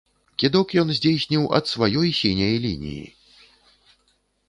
Кідок ён здзейсніў ад сваёй сіняй лініі!